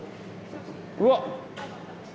うわっ！